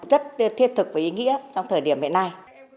rất thiết thực và ý nghĩa trong thời điểm hiện nay